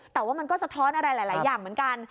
แต่ว่ามันก็สะท้อนอะไรหลายอย่างเหมือนกัน